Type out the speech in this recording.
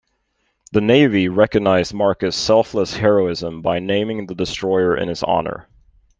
The Navy recognized Marcus' selfless heroism by naming the destroyer in his honor.